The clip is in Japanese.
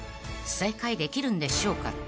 ［正解できるんでしょうか］